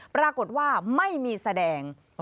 ปรากฏว่าไม่มีแสดง